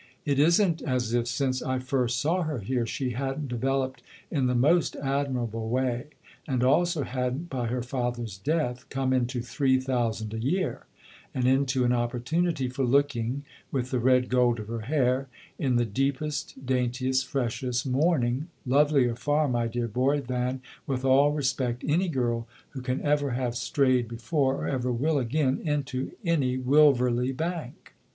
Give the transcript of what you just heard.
It isn't as if, since I first saw her here, she hadn't developed in the most admirable way, and also hadn't, by her father's death, come into three thousand a year and into an opportunity for looking, with the red gold of her hair, in the deepest, daintiest, freshest mourning, lovelier far, my dear boy, than, with all respect, any girl who can ever have strayed before, or ever will again, into any Wilverley bank.